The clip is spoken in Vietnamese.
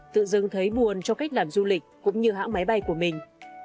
tự dưng thấy buồn cho cách làm du lịch cũng như hãng máy bay của mình